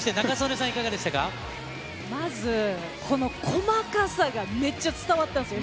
そして、まず、この細かさがめっちゃ伝わったんですよ。